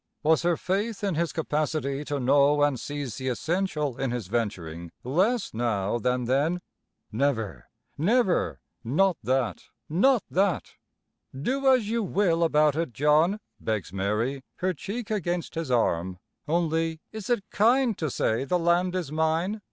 Was her faith in his capacity to know and seize the essential in his venturing, less now than then? Never, never not that, not that! "Do as you will about it, John," begs Mary, her cheek against his arm, "only is it kind to say the land is mine?